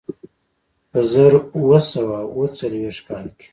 په زر اووه سوه اوه څلوېښت کال کې.